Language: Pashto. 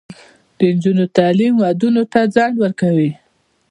د نجونو تعلیم ودونو ته ځنډ ورکوي.